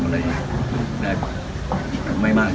มาคุยว่ามันทำอะไร